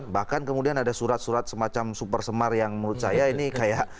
bahkan kemudian ada surat surat semacam super semar yang menurut saya ini kayak